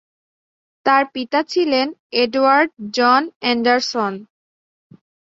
তাঁর পিতা ছিলেন এডওয়ার্ড জন অ্যান্ডারসন।